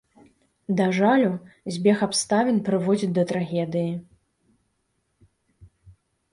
Да жалю, збег абставін прыводзіць да трагедыі.